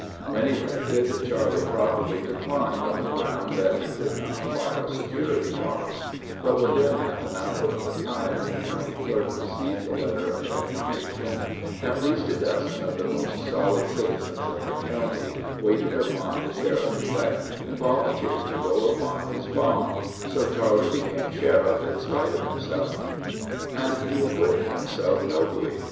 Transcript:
When elected, Charley properly declined, on the ground that he could not file security bonds; but, within half an hour of the time the county clerk received the letter of declination, at least a dozen of the most solid citizens of the county waited upon the sheriff elect and volunteered to go upon his bond, so Charley became sheriff in spite of himself. And he acquitted himself nobly.